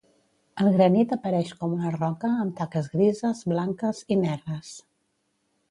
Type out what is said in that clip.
El granit apareix com una roca amb taques grises, blanques i negres.